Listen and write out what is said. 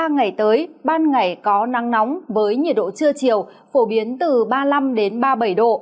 ba ngày tới ban ngày có nắng nóng với nhiệt độ trưa chiều phổ biến từ ba mươi năm đến ba mươi bảy độ